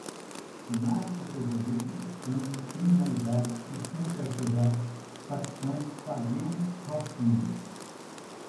narcoterrorismo, escândalo, criminalidade, sistema carcerário, facções, quadrilhas, rocinha